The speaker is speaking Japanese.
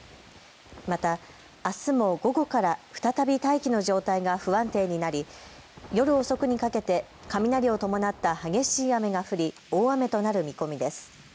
またあすも午後から再び大気の状態が不安定になり夜遅くにかけて雷を伴った激しい雨が降り大雨となる見込みです。